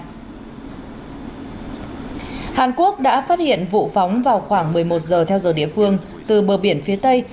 hàn quốc đã phát hiện vụ phóng vào khoảng một mươi một giờ theo giờ địa phương từ bờ biển phía tây